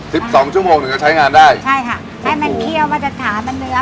สิบสองชั่วโมงถึงจะใช้งานได้ใช่ค่ะใช้มันเคี่ยวมาตรฐานมันเนื้อ